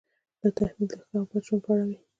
دا تحمیل د ښه او بد ژوند په اړه وي.